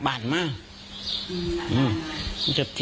ไม่รู้นานเหรอบอก